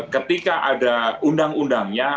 ketika ada undang undangnya